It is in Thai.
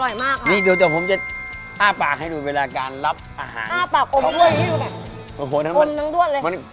อร่อยมากครับนี่เดี๋ยวผมจะอ้าปากให้ดูเวลาการรับอาหาร